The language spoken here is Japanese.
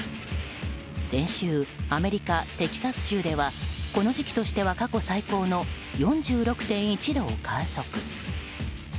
先週、アメリカ・テキサス州ではこの時期としては過去最高の４６．１度を観測。